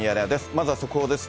まずは速報です。